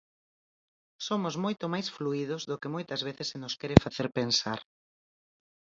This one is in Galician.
Somos moito máis fluídos do que moitas veces se nos quere facer pensar.